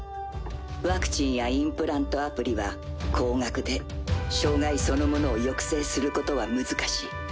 ワクチンやインプラント・アプリは高額で障害そのものを抑制することは難しい。